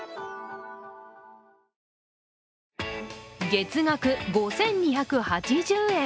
月額５２８０円。